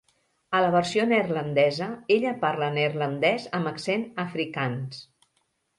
A la versió neerlandesa, ella parla neerlandès amb accent afrikaans.